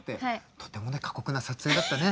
とても過酷な撮影だったね。